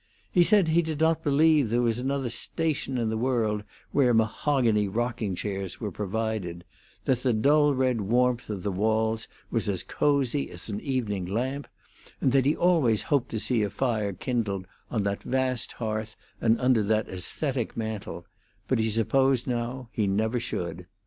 He said he did not believe there was another station in the world where mahogany rocking chairs were provided; that the dull red warmth of the walls was as cozy as an evening lamp, and that he always hoped to see a fire kindled on that vast hearth and under that aesthetic mantel, but he supposed now he never should.